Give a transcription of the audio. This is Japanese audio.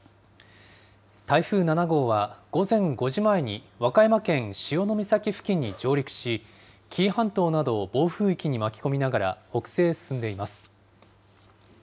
台風７号は午前５時前に、和歌山県潮岬付近に上陸し、紀伊半島などを暴風域に巻き込みながら、北西へ進んでいます。